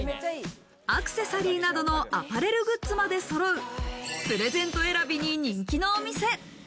アクセサリーなどのアパレルグッズまでそろう、プレゼント選びに人気のお店。